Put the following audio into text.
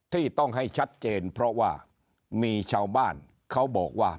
ที่ต้องให้ชัดเจนเพราะว่ามีชาวบ้านเขาบอกว่า